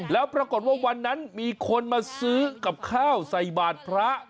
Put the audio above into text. แล้วปรากฏว่าวันนั้นมีคนมาซื้อกับข้าวใส่บาทพระ